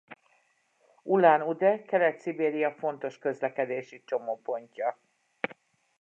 Ulan-Ude Kelet-Szibéria fontos közlekedési csomópontja.